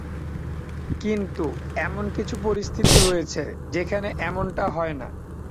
কিন্তু, এমন কিছু পরিস্থিতি রয়েছে, যেখানে এমনটা হয় না।